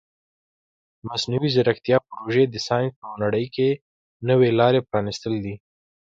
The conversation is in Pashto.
د مصنوعي ځیرکتیا پروژې د ساینس په نړۍ کې نوې لارې پرانیستې دي.